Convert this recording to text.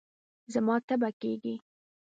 زما تبه کېږي